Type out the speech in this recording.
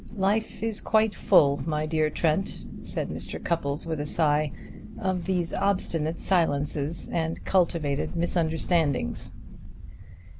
Life is quite full, my dear Trent," said Mr. Cupples with a sigh, "of these obstinate silences and cultivated misunderstandings."